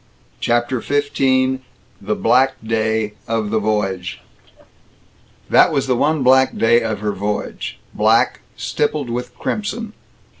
CHAPTER XV THE BLACK DAY OF THE VOYAGE That was the one black day of her voyage black stippled with crimson.